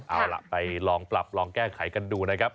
เอาล่ะปลับแก้ไขกันดูนะครับ